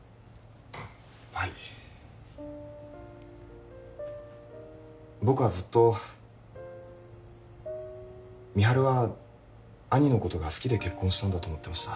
はい僕はずっと美晴は兄のことが好きで結婚したんだと思ってました